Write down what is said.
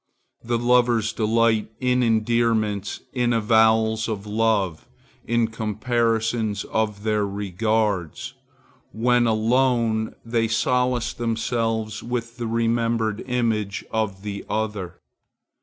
The lovers delight in endearments, in avowals of love, in comparisons of their regards. When alone, they solace themselves with the remembered image of the other.